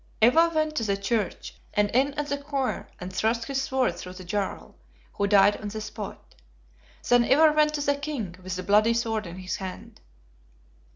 Ivar went to the church, and in at the choir, and thrust his sword through the Jarl, who died on the spot. Then Ivar went to the King, with the bloody sword in his hand.